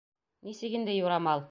— Нисек инде юрамал?